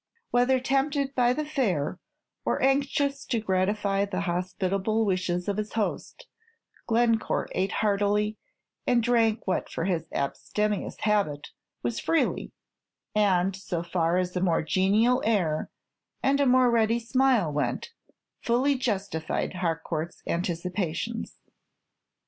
Whether tempted by the fare, or anxious to gratify the hospitable wishes of his host, Glencore ate heartily, and drank what for his abstemious habit was freely, and, so far as a more genial air and a more ready smile went, fully justified Harcourt's anticipations.